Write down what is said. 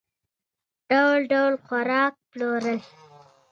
سپوږمۍ د کهف په خوب بیده ده